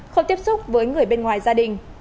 không tiếp xúc với người bên ngoài gia đình